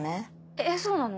えっそうなの？